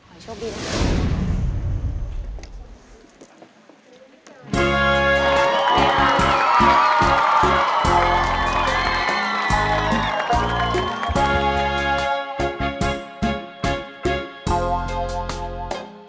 ท่านผู้ชมทางบ้านเกิดมาท่านมากครับ